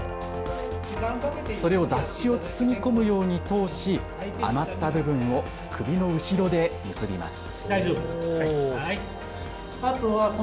それを雑誌を包み込むように通し余った部分を首の後ろで結びます。